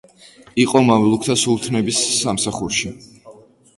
იყო მამლუქთა სულთნების სამსახურში.